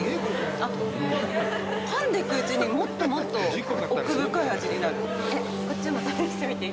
あっ、かんでいくうちに、もっともっと奥深い味になる。